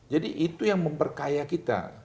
jadi itu yang memperkaya kita